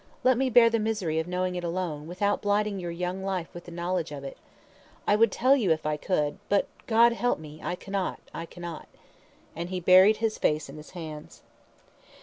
Let me bear the misery of knowing it alone, without blighting your young life with the knowledge of it. I would tell you if I could, but, God help me, I cannot I cannot," and he buried his face in his hands.